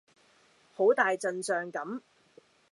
好大陣仗噉